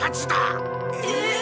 えっ？